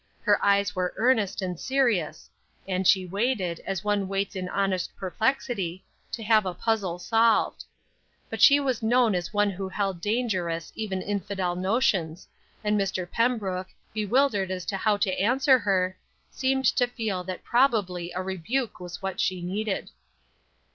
Her eyes were earnest and serious; and she waited, as one waits in honest perplexity, to have a puzzle solved. But she was known as one who held dangerous, even infidel notions, and Mr. Pembrook, bewildered as to how to answer her, seemed to feel that probably a rebuke was what she needed.